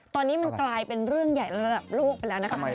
ตอนนี้มันกลายเป็นเรื่องใหญ่ระดับโลกไปแล้วนะคะ